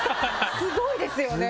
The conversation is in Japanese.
スゴいですよね。